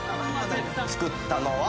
作ったのは。